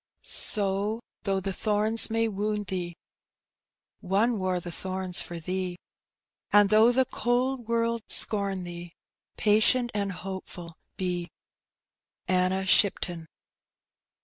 Sow, though the thorns may wound thee, One wore the thorns for thee ; And though the cold world scorn thee. Patient and hopeful be. Anna Shipton.